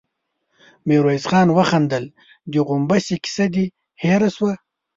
ميرويس خان وخندل: د غومبسې کيسه دې هېره شوه؟